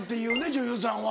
女優さんは。